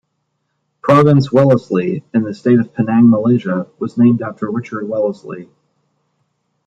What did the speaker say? Province Wellesley, in the state of Penang, Malaysia; was named after Richard Wellesley.